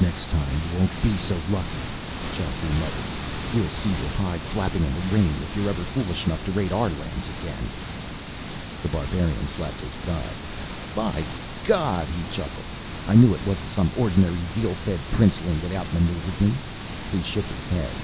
"Next time, you won't be so lucky," Geoffrey muttered. "We'll see your hide flapping in the rain, if you're ever foolish enough to raid our lands again." The Barbarian slapped his thigh. "By God," he chuckled, "I knew it wasn't some ordinary veal fed princeling that outmaneuvered me!" He shook his head.